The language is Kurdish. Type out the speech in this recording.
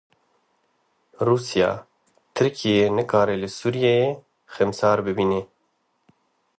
Rûsya, Tirkiye nikare li Sûriyeyê xemsar bimîne.